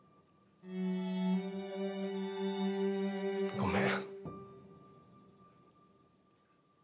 ごめん。